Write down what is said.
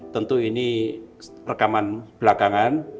tentu ini rekaman belakangan